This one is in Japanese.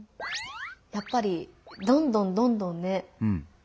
やっぱりどんどんどんどんね